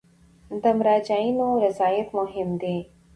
د مراجعینو رضایت مهم دی